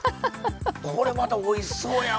これまたおいしそうやわ。